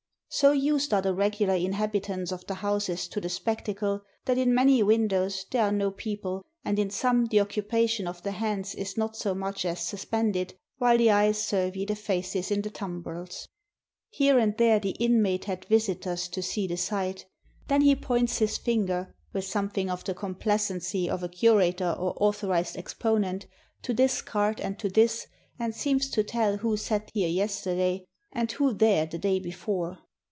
So used are the regular inhabitants of the houses to the spectacle, that in many windows there are no people, and in some the occupation of the hands is not so much as suspended, while the eyes survey the faces in the tumbrels. Here and there, the inmate had visitors to see the sight; then he points his finger, with some 328 AT THE GUILLOTINE thing of the complacency of a curator or authorized exponent, to this cart and to this, and seems to tell who sat here yesterday, and who there the day before.